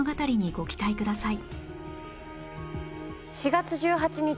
ご期待ください。